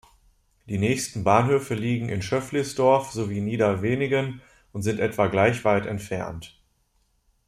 Die nächsten Bahnhöfe liegen in Schöfflisdorf sowie Niederweningen und sind etwa gleich weit entfernt.